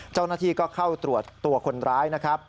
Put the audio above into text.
เจ้าหน้าที่ก็เข้าตรวจตัวคนร้ายนะครับ